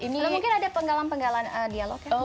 mungkin ada penggalan penggalan dialog ya mungkin